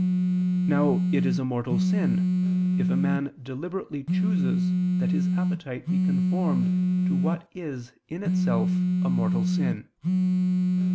Now it is a mortal sin, if a man deliberately chooses that his appetite be conformed to what is in itself a mortal sin.